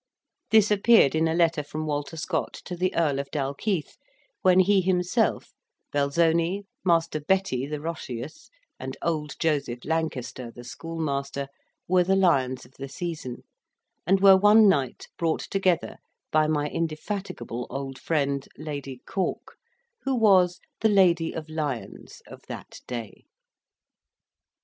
This appeared in a letter from Walter Scott to the Earl of Dalkeith, when he himself, Belzoni, Master Betty the Roscius, and old Joseph Lancaster, the schoolmaster, were the lions of the season, and were one night brought together by my indefatigable old friend, Lady Cork, who was "the Lady of Lyons" of that day.